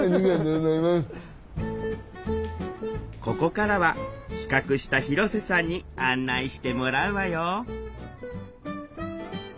ここからは企画した広瀬さんに案内してもらうわよ